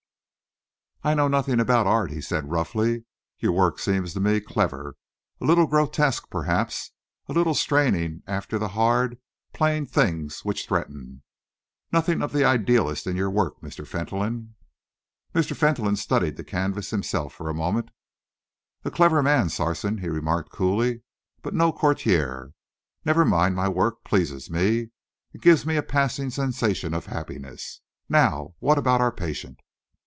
"I know nothing about art," he said, a little roughly. "Your work seems to me clever a little grotesque, perhaps; a little straining after the hard, plain things which threaten. Nothing of the idealist in your work, Mr. Fentolin." Mr. Fentolin studied the canvas himself for a moment. "A clever man, Sarson," he remarked coolly, "but no courtier. Never mind, my work pleases me. It gives me a passing sensation of happiness. Now, what about our patient?"